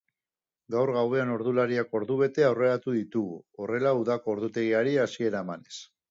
Gaur gauean ordulariak ordubete aurreratu ditugu, horrela udako ordutegiari hasiera emanez.